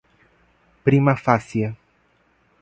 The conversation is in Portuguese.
prima facie